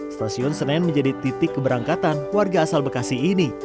stasiun senen menjadi titik keberangkatan warga asal bekasi ini